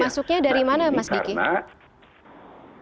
masuknya dari mana mas kiki